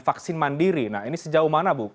vaksin mandiri nah ini sejauh mana bu